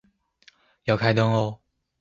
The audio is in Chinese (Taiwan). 要開燈喔